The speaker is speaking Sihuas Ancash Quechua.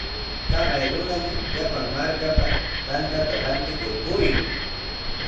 Taqay runami llapan markapa tantata rantikur purin.